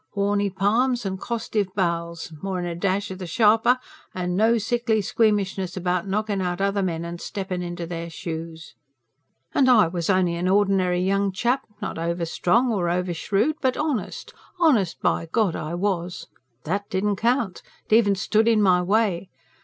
Horny palms and costive bowels; more'n a dash o' the sharper; and no sickly squeamishness about knockin' out other men and steppin' into their shoes. And I was only an ordinary young chap; not over strong nor over shrewd, but honest honest, by God I was! That didn't count. It even stood in my way.